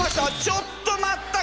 「ちょっと待った！」